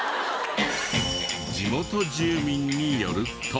地元住民によると。